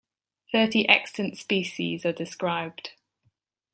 Thirty extant species are described.